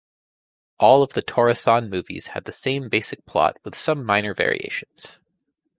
All of the Tora-san movies had the same basic plot with some minor variations.